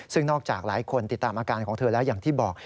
ซึ่งนอกจากหลายคนติดตามอาการของเธอแล้วอย่างที่บอก